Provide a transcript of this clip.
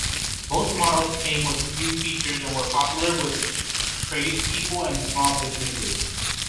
Both models came with few features and were popular with tradespeople and small businesses.